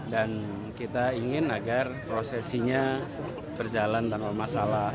dan kita ingin agar prosesinya berjalan tanpa masalah